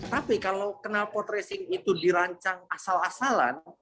tapi kalau kenalpot racing itu dirancang asal asal